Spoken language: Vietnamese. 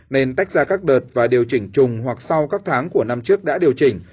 nên tách ra các đợt và điều chỉnh chung hoặc sau các tháng của năm trước đã điều chỉnh